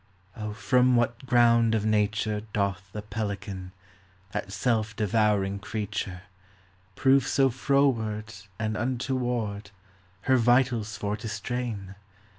O, from what ground of nature Doth the pelican, That self devouring creature, Prove so f roward And untoward, Her vitals for to strain